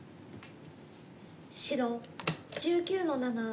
白１９の七。